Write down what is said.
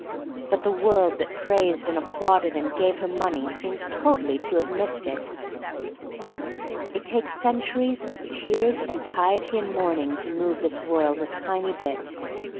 But the world that praised and applauded and gave her money seems totally to have missed it. It takes centuries of tears and piety \ 92 THE STORY OF MARY MAC LANE and mourning to move this world a tiny bit.